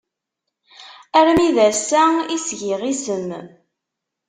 Armi d ass-a i s-giɣ isem.